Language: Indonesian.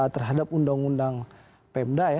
terhadap undang undang pemda